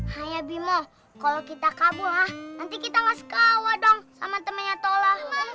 hai abimoh kalo kita kabur ah nanti kita kasih kawan dong sama temennya tola